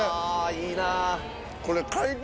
いいなー！